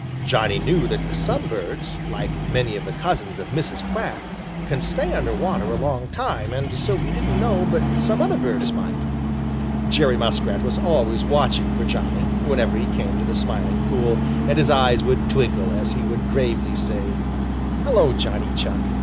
Johnny knew that some birds, like many of the cousins of Mrs. Quack, can stay under water a long time, and so he didn't know but some other birds might. Jerry Muskrat was always watching for Johnny, whenever he came to the Smiling Pool, and his eyes would twinkle as he would gravely say: "Hello, Johnny Chuck!